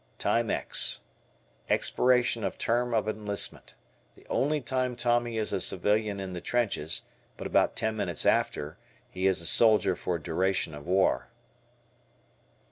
"Time ex." Expiration of term of enlistment. The only time Tommy is a civilian in the trenches; but about ten minutes after he is a soldier for duration of war.